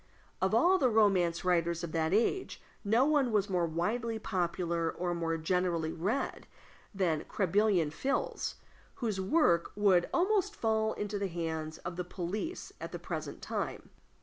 Of all the romance writers of that age, no one was more widely popular or more generally read than Crebillon fils, whose works would almost fall into the hands of the police at the present time.